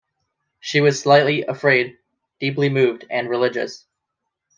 She was slightly afraid — deeply moved and religious.